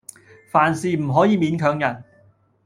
凡事唔可以勉強人